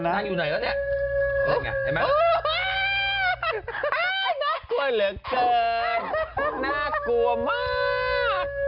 น่ากลัวมาก